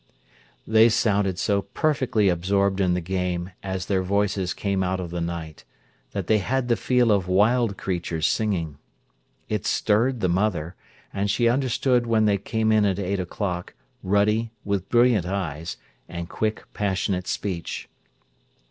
They sounded so perfectly absorbed in the game as their voices came out of the night, that they had the feel of wild creatures singing. It stirred the mother; and she understood when they came in at eight o'clock, ruddy, with brilliant eyes, and quick, passionate speech.